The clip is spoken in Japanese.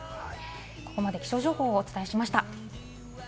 ここまで気象情報をお伝えしました。